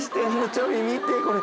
ちょみ見てこれ。